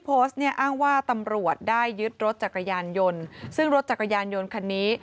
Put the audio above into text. โพสต์เนี่ยอ้างว่าตำรวจได้ยึดรถจักรยานยนต์ซึ่งรถจักรยานยนต์คันนี้